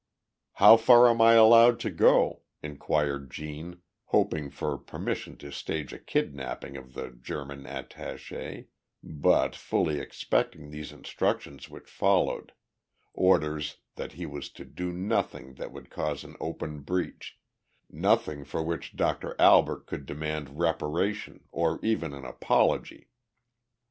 "How far am I allowed to go?" inquired Gene, hoping for permission to stage a kidnaping of the German attaché, but fully expecting these instructions which followed orders that he was to do nothing that would cause an open breach, nothing for which Doctor Albert could demand reparation or even an apology.